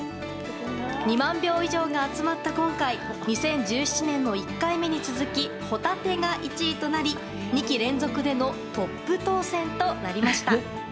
２万票以上が集まった今回２０１７年の１回目に続きホタテが１位となり２期連続でのトップ当選となりました。